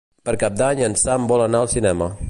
Per Cap d'Any en Sam vol anar al cinema.